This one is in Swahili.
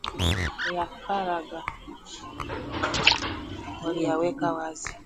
Ya faragha waliyaweka wazi